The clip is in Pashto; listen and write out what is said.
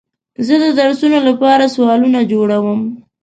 زه د درسونو لپاره سوالونه جوړوم.